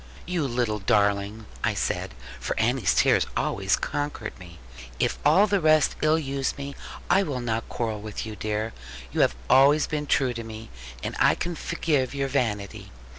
'You little darling,' I said, for Annie's tears always conquered me; 'if all the rest ill use me, I will not quarrel with you, dear. You have always been true to me; and I can forgive your vanity.